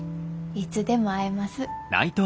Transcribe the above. いつでも会えます。